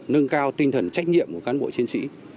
nâng cao tinh thần trách nhiệm của cán bộ chiến sĩ